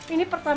ini pertama kali